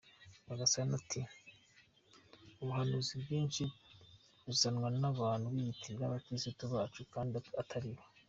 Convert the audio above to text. Rwagasana ati “Ubuhanuzi bwinshi buzanwa n’abantu biyitirira abakirisitu bacu kandi atari bo.